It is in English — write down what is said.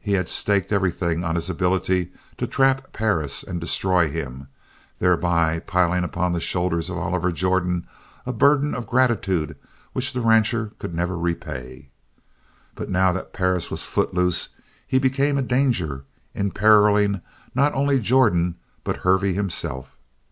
He had staked everything on his ability to trap Perris and destroy him, thereby piling upon the shoulders of Oliver Jordan a burden of gratitude which the rancher could never repay. But now that Perris was footloose he became a danger imperilling not only Jordan but Hervey himself.